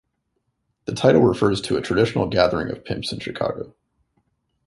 The title refers to a traditional gathering of pimps in Chicago.